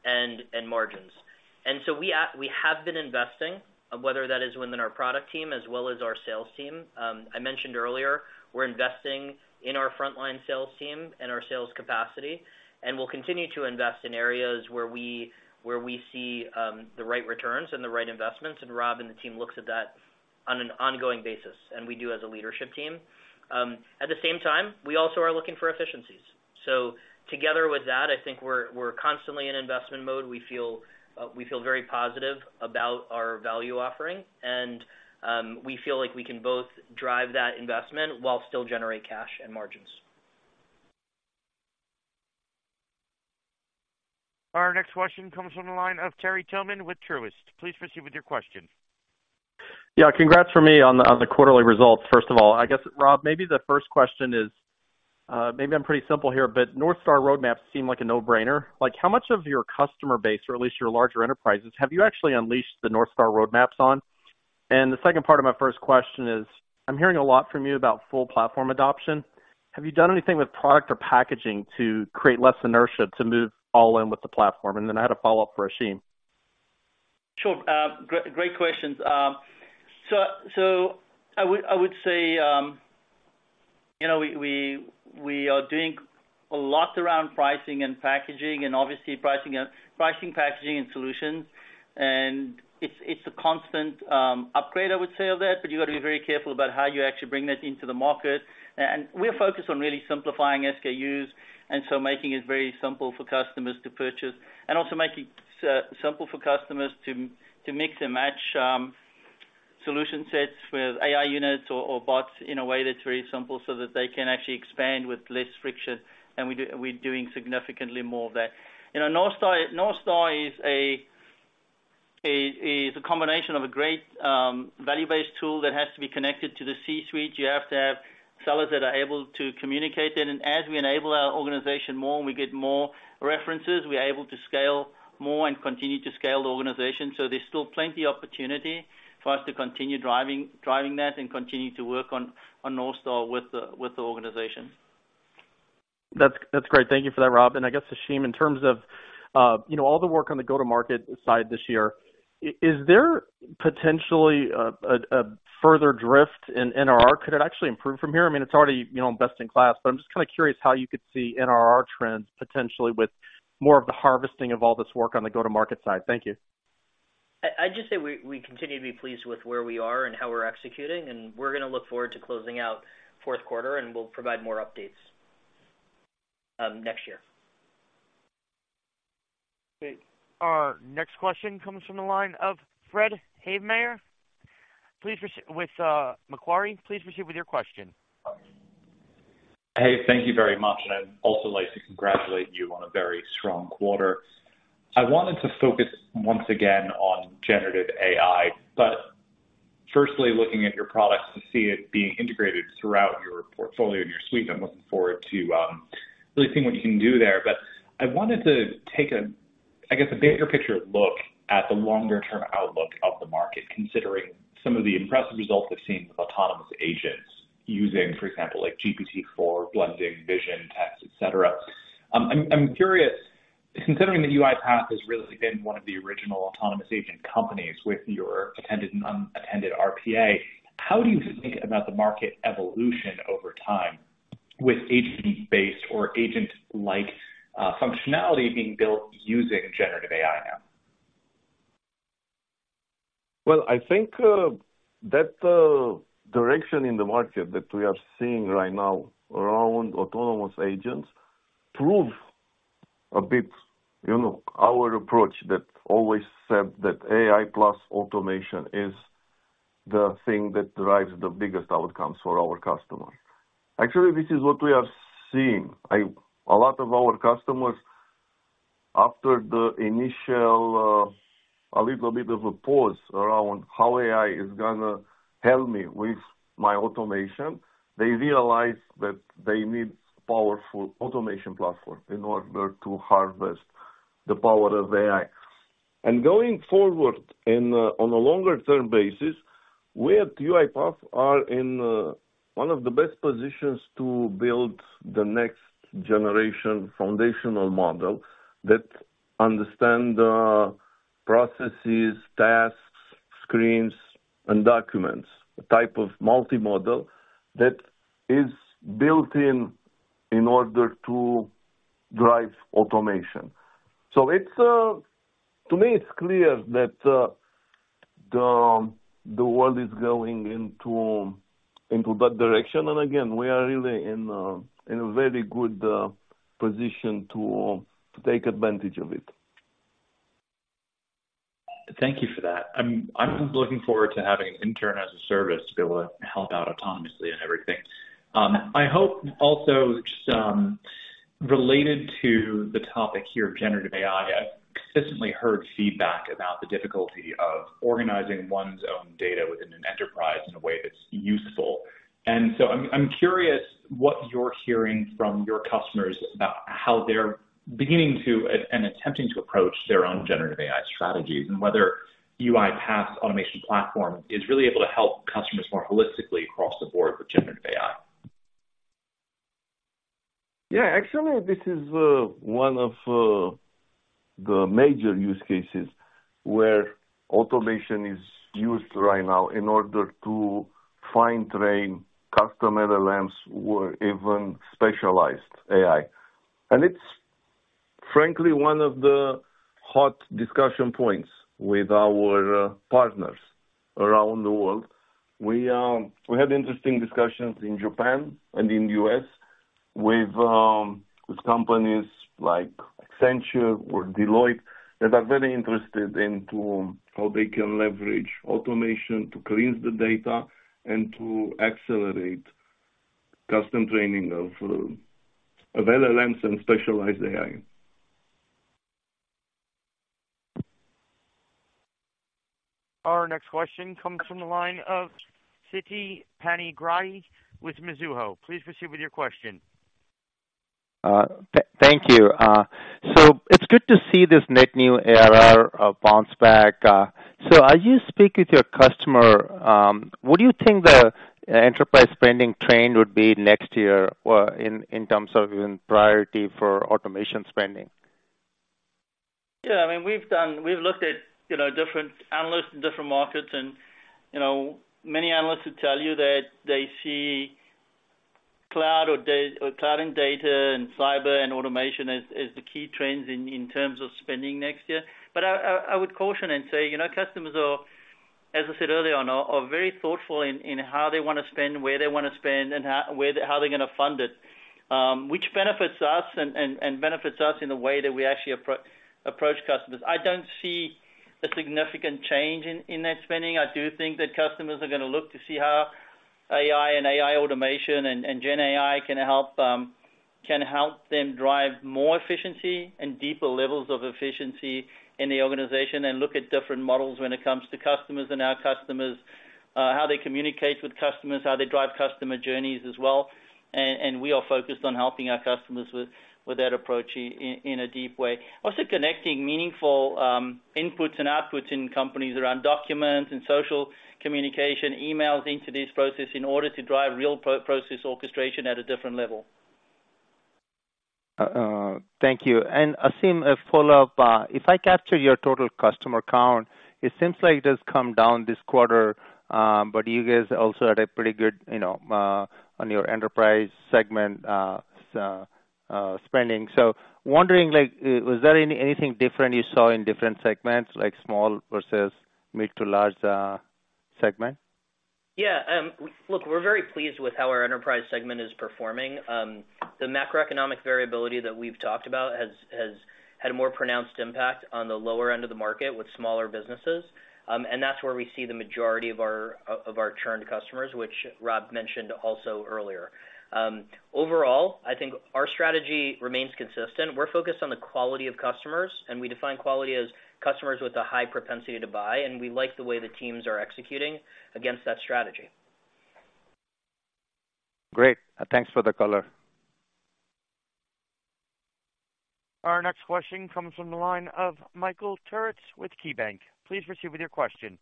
Speaker 5: and, and margins. And so we have been investing, whether that is within our product team as well as our sales team. I mentioned earlier, we're investing in our frontline sales team and our sales capacity, and we'll continue to invest in areas where we see the right returns and the right investments, and Rob and the team looks at that on an ongoing basis, and we do as a leadership team. At the same time, we also are looking for efficiencies. So together with that, I think we're constantly in investment mode. We feel, we feel very positive about our value offering, and, we feel like we can both drive that investment while still generate cash and margins.
Speaker 1: Our next question comes from the line of Terry Tillman with Truist. Please proceed with your question.
Speaker 11: Yeah, congrats from me on the, on the quarterly results, first of all. I guess, Rob, maybe the first question is, maybe I'm pretty simple North Star Roadmaps seem like a no-brainer. Like, how much of your customer base, or at least your larger enterprises, have you actually North Star Roadmaps on? And the second part of my first question is: I'm hearing a lot from you about full platform adoption. Have you done anything with product or packaging to create less inertia to move all in with the platform? And then I had a follow-up for Ashim.
Speaker 3: Sure. Great, great questions. So I would say, you know, we are doing a lot around pricing and packaging, and obviously pricing and packaging and solutions. And it's a constant upgrade, I would say, of that, but you got to be very careful about how you actually bring that into the market. And we're focused on really simplifying SKUs, and so making it very simple for customers to purchase. And also make it simple for customers to mix and match solution sets with AI Units or bots in a way that's very simple so that they can actually expand with less friction. And we're doing significantly more of that. You North Star is a combination of a great value-based tool that has to be connected to the C-suite. You have to have sellers that are able to communicate it, and as we enable our organization more, we get more references, we are able to scale more and continue to scale the organization. So there's still plenty opportunity for us to continue driving that and continue to work North Star with the organization.
Speaker 11: That's great. Thank you for that, Rob. I guess, Ashim, in terms of, you know, all the work on the go-to-market side this year, is there potentially a further drift in NRR? Could it actually improve from here? I mean, it's already, you know, best in class, but I'm just kind of curious how you could see NRR trends potentially with more of the harvesting of all this work on the go-to-market side. Thank you.
Speaker 5: I'd just say we continue to be pleased with where we are and how we're executing, and we're going to look forward to closing out fourth quarter, and we'll provide more updates next year.
Speaker 1: Great. Our next question comes from the line of Fred Havemeyer with Macquarie. Please proceed with your question.
Speaker 12: Hey, thank you very much, and I'd also like to congratulate you on a very strong quarter. I wanted to focus once again on generative AI, but firstly, looking at your products to see it being integrated throughout your portfolio and your suite, I'm looking forward to really seeing what you can do there. But I wanted to take a, I guess, a bigger picture look at the longer-term outlook of the market, considering some of the impressive results we've seen with autonomous agents using, for example, like GPT-4, blending vision, text, et cetera. I'm curious, considering that UiPath has really been one of the original autonomous agent companies with your attended and unattended RPA, how do you think about the market evolution over time with agent-based or agent-like functionality being built using generative AI now?
Speaker 4: Well, I think that direction in the market that we are seeing right now around autonomous agents proves a bit, you know, our approach that always said that AI plus automation is the thing that drives the biggest outcomes for our customers. Actually, this is what we have seen. A lot of our customers, after the initial, a little bit of a pause around how AI is gonna help me with my automation, they realize that they need powerful automation platform in order to harvest the power of AI. And going forward in, on a longer-term basis, we at UiPath are in one of the best positions to build the next generation foundational model that understand the processes, tasks, screens, and documents, the type of multi-model that is built in, in order to drive automation. So it's... To me, it's clear that the world is going into that direction. And again, we are really in a very good position to take advantage of it.
Speaker 12: Thank you for that. I'm looking forward to having an intern as a service to be able to help out autonomously and everything. I hope also just related to the topic here of generative AI, I've consistently heard feedback about the difficulty of organizing one's own data within an enterprise in a way that's useful. And so I'm curious what you're hearing from your customers about how they're beginning to and attempting to approach their own generative AI strategies, and whether UiPath's automation platform is really able to help customers more holistically across the board with generative AI.
Speaker 4: Yeah, actually, this is one of the major use cases where automation is used right now in order to fine-tune customer LLMs or even specialized AI. And it's frankly one of the hot discussion points with our partners around the world. We had interesting discussions in Japan and in the U.S. with companies like Accenture or Deloitte, that are very interested into how they can leverage automation to cleanse the data and to accelerate custom training of LLMs and specialized AI.
Speaker 1: Our next question comes from the line of Siti Panigrahi with Mizuho. Please proceed with your question.
Speaker 13: Thank you. So it's good to see this net new ARR bounce back. So as you speak with your customer, what do you think the enterprise spending trend would be next year, in terms of even priority for automation spending?...
Speaker 3: Yeah, I mean, we've looked at, you know, different analysts in different markets, and, you know, many analysts would tell you that they see cloud or data and cyber and automation as the key trends in terms of spending next year. But I would caution and say, you know, customers are, as I said earlier on, very thoughtful in how they wanna spend, where they wanna spend, and how, where, how they're gonna fund it, which benefits us and benefits us in a way that we actually approach customers. I don't see a significant change in that spending. I do think that customers are gonna look to see how AI and AI automation and GenAI can help, can help them drive more efficiency and deeper levels of efficiency in the organization and look at different models when it comes to customers and our customers how they communicate with customers, how they drive customer journeys as well. And we are focused on helping our customers with that approach in a deep way. Also, connecting meaningful inputs and outputs in companies around documents and social communication, emails into this process in order to drive real process orchestration at a different level.
Speaker 13: Thank you. And Ashim, a follow-up. If I capture your total customer count, it seems like it has come down this quarter, but you guys also had a pretty good, you know, on your enterprise segment, spending. So wondering, like, was there anything different you saw in different segments, like small versus mid to large, segment?
Speaker 5: Yeah, look, we're very pleased with how our enterprise segment is performing. The macroeconomic variability that we've talked about has had a more pronounced impact on the lower end of the market with smaller businesses. And that's where we see the majority of our churned customers, which Rob mentioned also earlier. Overall, I think our strategy remains consistent. We're focused on the quality of customers, and we define quality as customers with a high propensity to buy, and we like the way the teams are executing against that strategy.
Speaker 13: Great, thanks for the color.
Speaker 1: Our next question comes from the line of Michael Turits with KeyBanc. Please proceed with your question.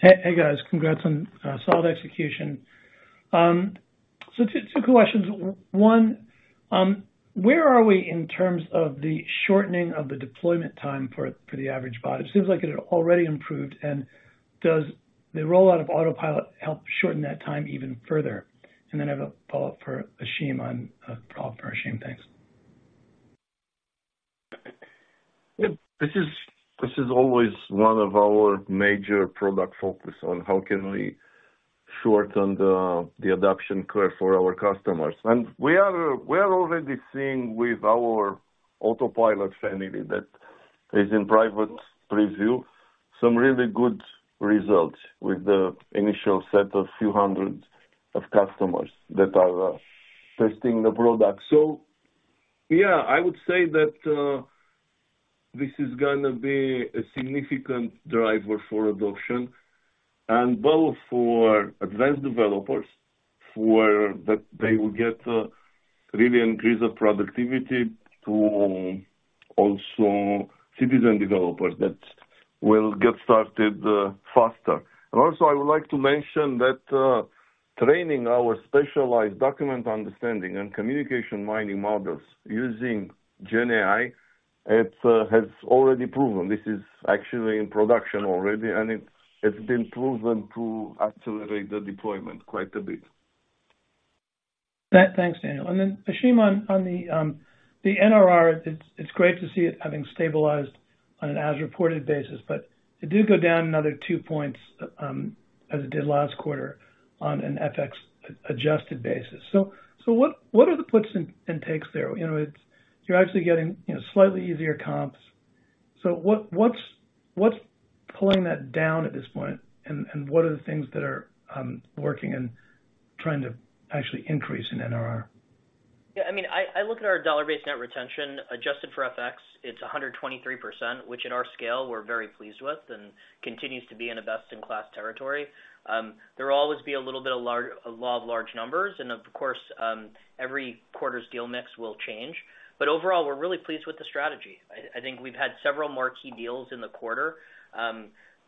Speaker 14: Hey, hey, guys. Congrats on solid execution. So two, two questions. One, where are we in terms of the shortening of the deployment time for the average bot? It seems like it had already improved. And does the rollout of Autopilot help shorten that time even further? And then I have a follow-up for Ashim on follow-up for Ashim. Thanks.
Speaker 4: Yep, this is always one of our major product focus on how can we shorten the adoption curve for our customers. And we are already seeing with our Autopilot family, that is in private preview, some really good results with the initial set of few hundreds of customers that are testing the product. So yeah, I would say that this is gonna be a significant driver for adoption, and both for advanced developers, for that they will get really increased productivity, to also Citizen developers that will get started faster. And also, I would like to mention that training our specialized Document Understanding and Communications Mining models using GenAI, it has already proven this is actually in production already, and it, it's been proven to accelerate the deployment quite a bit.
Speaker 14: Thanks, Daniel. And then, Ashim, on the NRR, it's great to see it having stabilized on an as-reported basis, but it did go down another two points, as it did last quarter, on an FX-adjusted basis. So what are the puts and takes there? You know, it's... You're actually getting, you know, slightly easier comps. So what's pulling that down at this point, and what are the things that are working and trying to actually increase in NRR?
Speaker 5: Yeah, I mean, I, I look at our dollar-based net retention adjusted for FX, it's 123%, which at our scale, we're very pleased with and continues to be in a best-in-class territory. There will always be a little bit of large, a law of large numbers, and of course, every quarter's deal mix will change. But overall, we're really pleased with the strategy. I, I think we've had several more key deals in the quarter.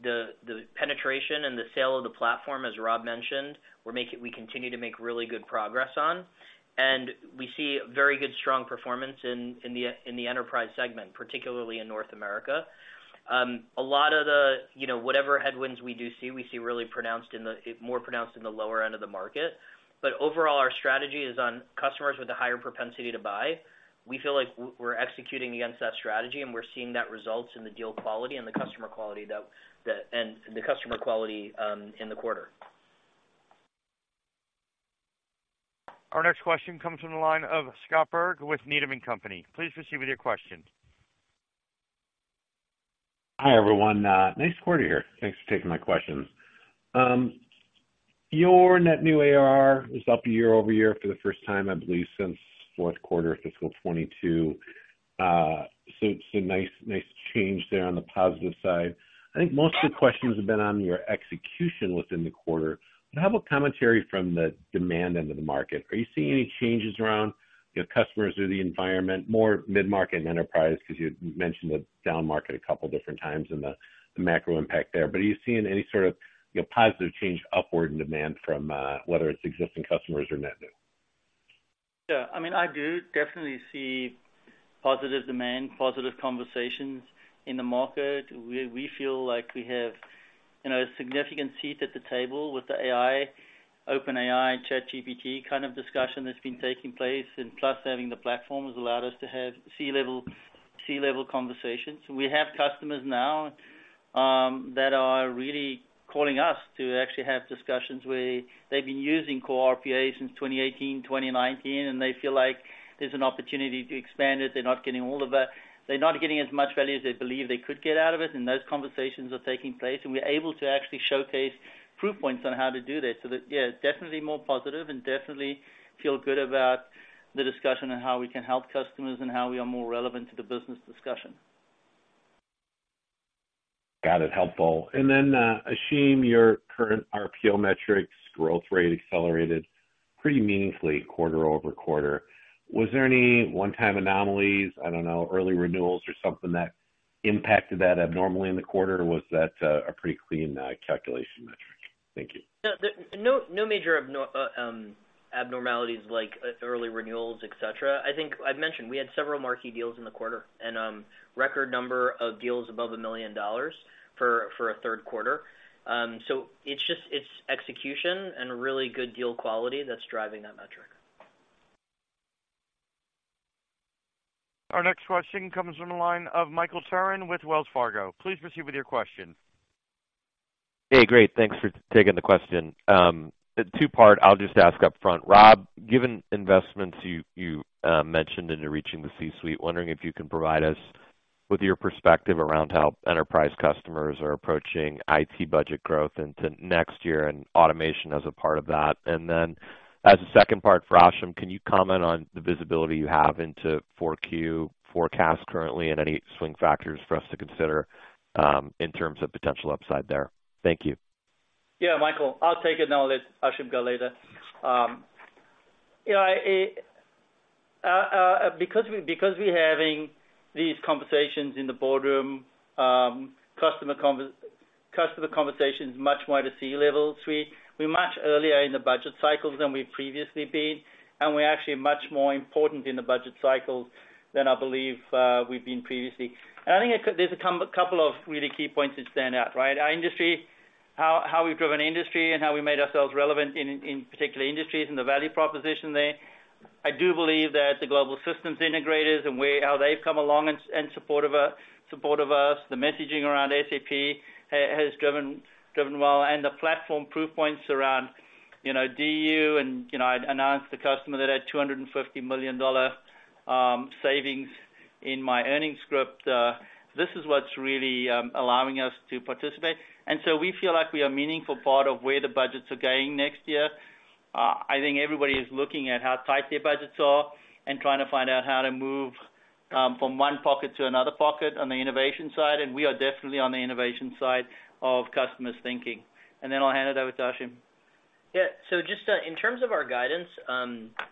Speaker 5: The, the penetration and the sale of the platform, as Rob mentioned, we're making- we continue to make really good progress on, and we see very good, strong performance in, in the, in the enterprise segment, particularly in North America. A lot of the, you know, whatever headwinds we do see, we see really pronounced in the, more pronounced in the lower end of the market. But overall, our strategy is on customers with a higher propensity to buy. We feel like we're executing against that strategy, and we're seeing that results in the deal quality and the customer quality, though, and the customer quality in the quarter.
Speaker 1: Our next question comes from the line of Scott Berg with Needham & Company. Please proceed with your question.
Speaker 15: Hi, everyone. Nice quarter here. Thanks for taking my questions. Your net new ARR is up year-over-year for the first time, I believe, since fourth quarter of fiscal 2022. So, so nice, nice change there on the positive side. I think most of the questions have been on your execution within the quarter. But how about commentary from the demand end of the market? Are you seeing any changes around your customers or the environment, more mid-market and enterprise? Because you mentioned the downmarket a couple different times and the macro impact there. But are you seeing any sort of, you know, positive change upward in demand from whether it's existing customers or net new?
Speaker 3: Yeah, I mean, I do definitely see positive demand, positive conversations in the market. We feel like we have, you know, a significant seat at the table with the AI, OpenAI, ChatGPT kind of discussion that's been taking place, and plus, having the platform has allowed us to have C-level conversations. We have customers now that are really calling us to actually have discussions where they've been using core RPA since 2018, 2019, and they feel like there's an opportunity to expand it. They're not getting all of the—they're not getting as much value as they believe they could get out of it, and those conversations are taking place, and we're able to actually showcase proof points on how to do that. So that, yeah, definitely more positive and definitely feel good about the discussion on how we can help customers and how we are more relevant to the business discussion.
Speaker 15: Got it. Helpful. And then, Ashim, your current RPO metrics growth rate accelerated pretty meaningfully quarter-over-quarter. Was there any one-time anomalies, I don't know, early renewals or something that impacted that abnormally in the quarter, or was that a pretty clean calculation metric? Thank you.
Speaker 5: No, no major abnormalities like early renewals, et cetera. I think I've mentioned we had several marquee deals in the quarter and record number of deals above $1 million for a third quarter. So it's just, it's execution and really good deal quality that's driving that metric.
Speaker 1: Our next question comes from the line of Michael Turrin with Wells Fargo. Please proceed with your question.
Speaker 16: Hey, great. Thanks for taking the question. Two-part, I'll just ask up front. Rob, given investments you mentioned into reaching the C-suite, wondering if you can provide us with your perspective around how enterprise customers are approaching IT budget growth into next year and automation as a part of that. And then, as a second part for Ashim, can you comment on the visibility you have into Q4 forecast currently and any swing factors for us to consider, in terms of potential upside there? Thank you.
Speaker 3: Yeah, Michael, I'll take it, and I'll let Ashim go later. You know, because we're having these conversations in the boardroom, customer conversations much more at the C-level suite, we're much earlier in the budget cycles than we've previously been, and we're actually much more important in the budget cycles than I believe we've been previously. And I think there's a couple of really key points that stand out, right? Our industry, how we've driven industry and how we made ourselves relevant in particular industries and the value proposition there. I do believe that the global systems integrators and how they've come along and supportive of us, the messaging around SAP has driven well, and the platform proof points around, you know, DU and, you know, I announced the customer that had $250 million savings in my earnings script. This is what's really allowing us to participate. And so we feel like we are a meaningful part of where the budgets are going next year. I think everybody is looking at how tight their budgets are and trying to find out how to move from one pocket to another pocket on the innovation side, and we are definitely on the innovation side of customers' thinking. And then I'll hand it over to Ashim.
Speaker 5: Yeah. So just in terms of our guidance,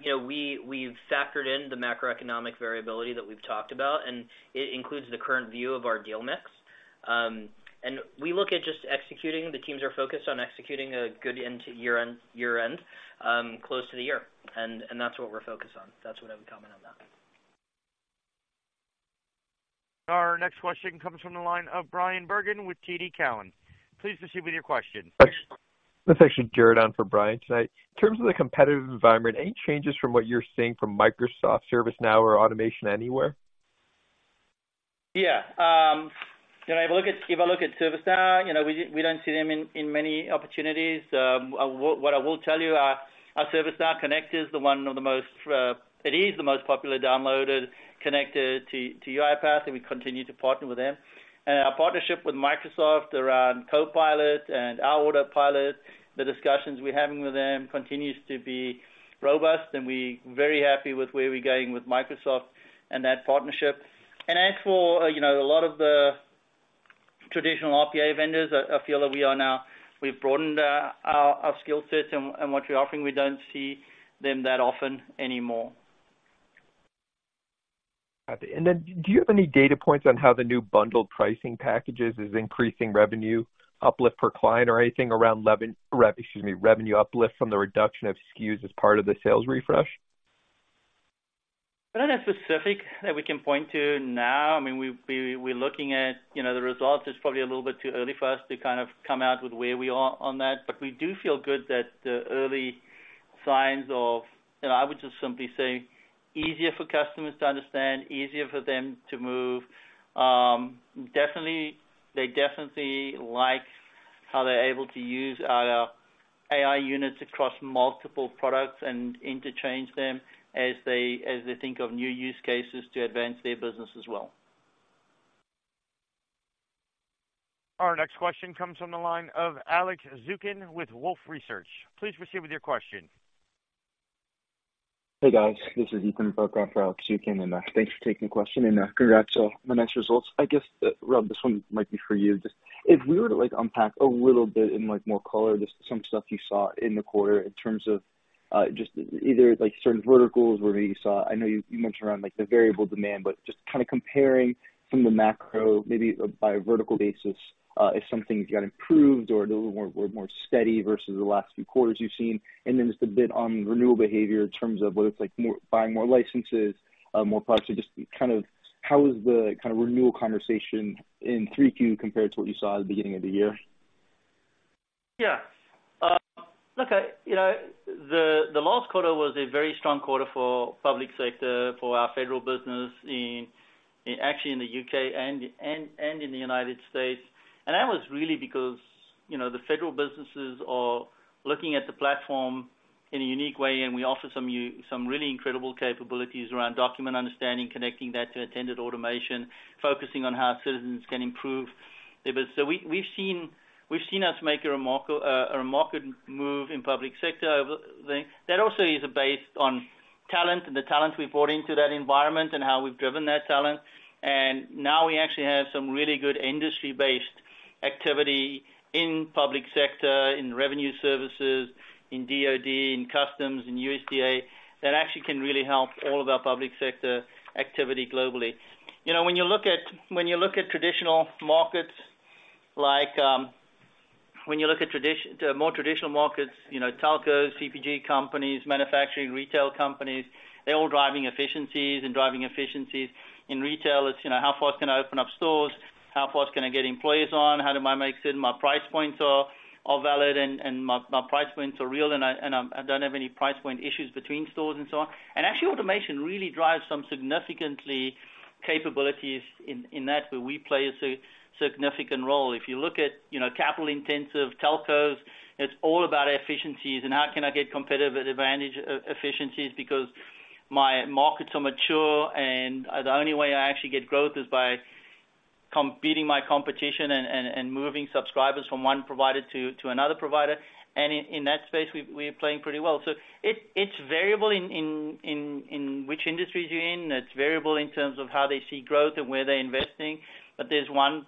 Speaker 5: you know, we, we've factored in the macroeconomic variability that we've talked about, and it includes the current view of our deal mix. And we look at just executing. The teams are focused on executing a good end to year-end, year-end, close to the year, and that's what we're focused on. That's what I would comment on that.
Speaker 1: Our next question comes from the line of Brian Bergin with TD Cowen. Please proceed with your question.
Speaker 17: That's actually Jared on for Brian tonight. In terms of the competitive environment, any changes from what you're seeing from Microsoft, ServiceNow or Automation Anywhere?
Speaker 3: Yeah. You know, if I look at, if I look at ServiceNow, you know, we, we don't see them in, in many opportunities. What I will tell you is, our ServiceNow Connector is one of the most... it is the most popular downloaded connector to UiPath, and we continue to partner with them. And our partnership with Microsoft around Copilot and our Autopilot, the discussions we're having with them continues to be robust, and we are very happy with where we're going with Microsoft and that partnership. And as for, you know, a lot of the traditional RPA vendors, I, I feel that we are now, we've broadened our, our, our skill sets and, and what we're offering, we don't see them that often anymore.
Speaker 17: Got it. And then, do you have any data points on how the new bundled pricing packages is increasing revenue uplift per client or anything around? Excuse me, revenue uplift from the reduction of SKUs as part of the sales refresh?
Speaker 3: I don't have specific that we can point to now. I mean, we're looking at, you know, the results. It's probably a little bit too early for us to kind of come out with where we are on that, but we do feel good that the early signs of, you know, I would just simply say, easier for customers to understand, easier for them to move. Definitely, they definitely like how they're able to use our AI Units across multiple products and interchange them as they think of new use cases to advance their business as well.
Speaker 1: Our next question comes from the line of Alex Zukin with Wolfe Research. Please proceed with your question.
Speaker 18: Hey, guys. This is Ethan Berkove for Alex Zukin, and thanks for taking the question, and congrats on the next results. I guess, Rob, this one might be for you. Just if we were to, like, unpack a little bit in, like, more color, just some stuff you saw in the quarter in terms of, just either, like, certain verticals where maybe you saw. I know you, you mentioned around, like, the variable demand, but just kind of comparing from the macro, maybe by a vertical basis, if something got improved or a little more, more steady versus the last few quarters you've seen. And then just a bit on renewal behavior in terms of whether it's, like, more, buying more licenses, more products, or just kind of- ...How is the kind of renewal conversation in 3Q compared to what you saw at the beginning of the year?
Speaker 3: Yeah. Look, you know, the last quarter was a very strong quarter for public sector, for our federal business in actually in the U.K. and in the United States. And that was really because, you know, the federal businesses are looking at the platform in a unique way, and we offer some really incredible capabilities around Document Understanding, connecting that to attended automation, focusing on how citizens can improve. But we've seen us make a market move in public sector. That also is based on talent and the talent we've brought into that environment and how we've driven that talent. And now we actually have some really good industry-based activity in public sector, in revenue services, in DOD, in customs, in USDA, that actually can really help all of our public sector activity globally. You know, when you look at traditional markets, like, when you look at more traditional markets, you know, telcos, CPG companies, manufacturing, retail companies, they're all driving efficiencies and driving efficiencies. In retail, it's, you know, how fast can I open up stores? How fast can I get employees on? How do I make certain my price points are valid and my price points are real, and I don't have any price point issues between stores and so on. And actually, automation really drives some significant capabilities in that, where we play a significant role. If you look at, you know, capital-intensive telcos, it's all about efficiencies and how can I get competitive advantage efficiencies? Because my markets are mature, and the only way I actually get growth is by competing my competition and moving subscribers from one provider to another provider. And in that space, we're playing pretty well. So it's variable in which industries you're in. It's variable in terms of how they see growth and where they're investing. But there's one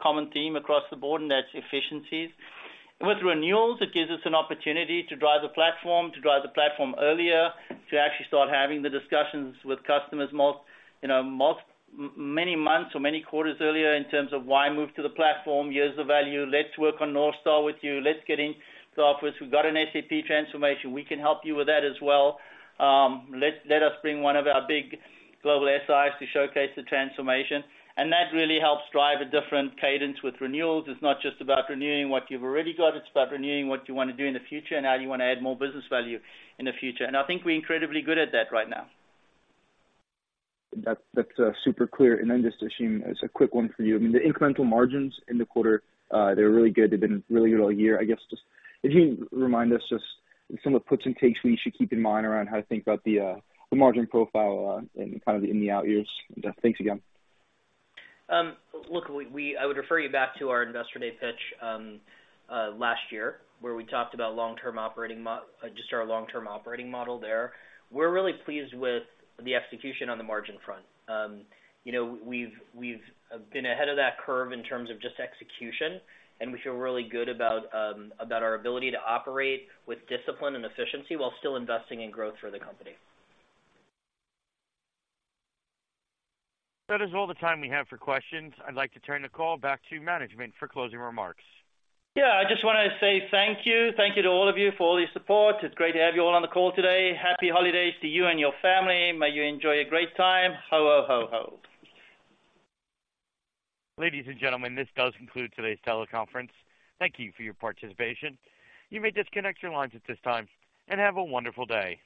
Speaker 3: common theme across the board, and that's efficiencies. With renewals, it gives us an opportunity to drive the platform, to drive the platform earlier, to actually start having the discussions with customers more, you know, many months or many quarters earlier in terms of why move to the platform, here's the value, let's North Star with you. Let's get in the office. We've got an SAP transformation. We can help you with that as well. Let us bring one of our big global SIs to showcase the transformation. That really helps drive a different cadence with renewals. It's not just about renewing what you've already got, it's about renewing what you want to do in the future and how you want to add more business value in the future. I think we're incredibly good at that right now.
Speaker 18: That's, that's, super clear. And then just, Ashim, it's a quick one for you. I mean, the incremental margins in the quarter, they're really good. They've been really good all year. I guess just, if you remind us just some of the puts and takes we should keep in mind around how to think about the, the margin profile, and kind of in the out years. Thanks again.
Speaker 5: Look, I would refer you back to our Investor Day pitch last year, where we talked about long-term operating model there. We're really pleased with the execution on the margin front. You know, we've been ahead of that curve in terms of just execution, and we feel really good about our ability to operate with discipline and efficiency while still investing in growth for the company.
Speaker 1: That is all the time we have for questions. I'd like to turn the call back to management for closing remarks.
Speaker 3: Yeah, I just want to say thank you. Thank you to all of you for all your support. It's great to have you all on the call today. Happy holidays to you and your family. May you enjoy a great time. Ho, ho, ho, ho!
Speaker 1: Ladies and gentlemen, this does conclude today's teleconference. Thank you for your participation. You may disconnect your lines at this time, and have a wonderful day.